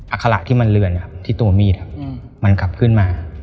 อคละที่มันเลือนที่ตัวมีดครับมันกลับขึ้นมา